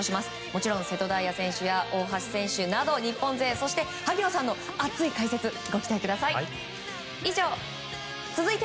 もちろん瀬戸大也選手や大橋選手など日本勢そして萩野さんの熱い解説ご期待ください。